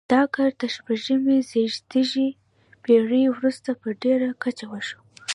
دا کار تر شپږمې زېږدیزې پیړۍ وروسته په ډیره کچه وشو.